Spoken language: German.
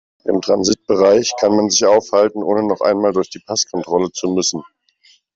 Im Transitbereich kann man sich aufhalten, ohne noch einmal durch die Passkontrolle zu müssen.